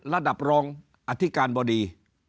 ระดับรองอธิการบดี